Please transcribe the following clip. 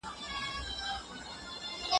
روښانه فکر غوسه نه زیاتوي.